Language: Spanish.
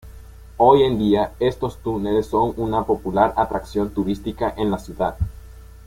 Hoy en día, estos túneles son una popular atracción turística de la ciudad.